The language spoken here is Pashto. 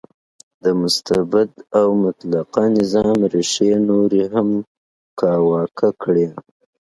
د مستبد او مطلقه نظام ریښې نورې هم کاواکه کړې.